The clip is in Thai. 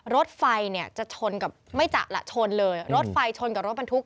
รถไฟเนี่ยจะชนกับไม่จะละชนเลยรถไฟชนกับรถบรรทุก